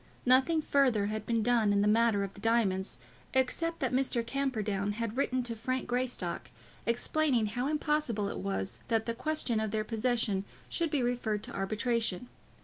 Nothing further had been done in the matter of the diamonds, except that Mr. Camperdown had written to Frank Greystock, explaining how impossible it was that the question of their possession should be referred to arbitration.